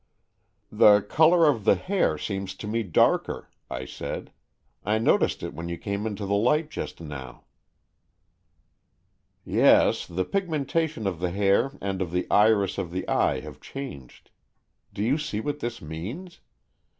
" The colour of the hair seems to me darker," I said. "I noticed it when you came into the light just now." AN EXCHANGE OF SOULS 183 " Yes, the pigmentation of the hair and of the iris of the eye have changed. Do you see what this means?